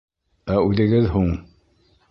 Ә үҙегеҙ һуң!